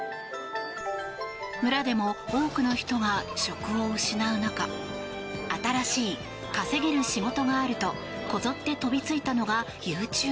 村でも多くの人が職を失う中新しい稼げる仕事があるとこぞって飛びついたのがＹｏｕＴｕｂｅ。